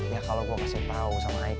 gak kalau gua kasih tau sama aika